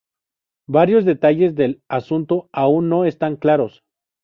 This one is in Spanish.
Varios detalles del asunto aún no están claros.